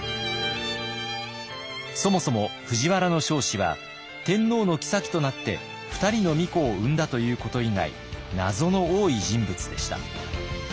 そもそも藤原彰子は天皇の后となって２人の皇子を産んだということ以外謎の多い人物でした。